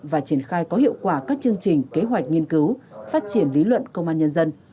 và triển khai có hiệu quả các chương trình kế hoạch nghiên cứu phát triển lý luận công an nhân dân